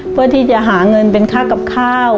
เพื่อที่จะหาเงินเป็นค่ากับข้าว